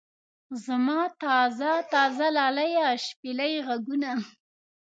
زما تازه تازه لاليه شپېلۍ غږونه.